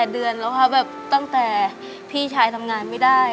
เดือนแล้วค่ะแบบตั้งแต่พี่ชายทำงานไม่ได้